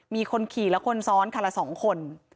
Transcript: มีคนขี่และคนซ้อนคันละ๒คน